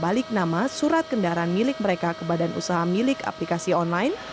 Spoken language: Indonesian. balik nama surat kendaraan milik mereka ke badan usaha milik aplikasi online